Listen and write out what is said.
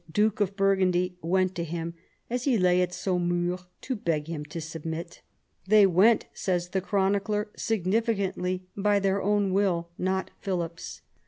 duke of Burgundy, went to him, as he lay at Saumur, to beg him to submit. They went, says the chronicler significantly, by their own will, not Philip's.